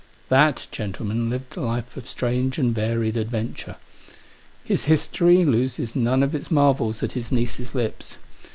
That gentle man lived a life of strange and varied adventure* His history loses none of its marvels at his niece's lips.